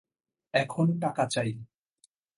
এখন টাকা চাই।